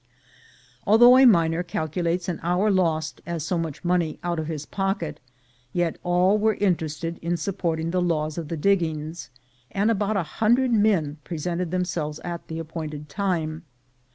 Although a miner calculates an hour lost as so much money out of his pocket, yet all were interested in supporting the laws of the diggings ; and about a hundred men presented themselves at the appointed time.